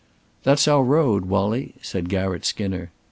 "That's our road, Wallie," said Garratt Skinner.